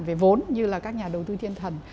về vốn như là các nhà đầu tư thiên thần